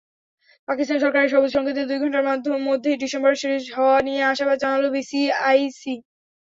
পাকিস্তান সরকারের সবুজসংকেতের দুই ঘণ্টার মধ্যেই ডিসেম্বরেই সিরিজ হওয়া নিয়ে আশাবাদ জানাল বিসিসিআই।